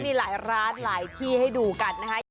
มีหลายร้านหลายที่ให้ดูกันนะคะ